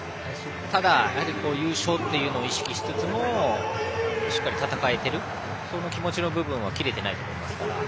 ただ、優勝を意識しつつもしっかり戦えてるその気持ちの部分は切れていないと思います。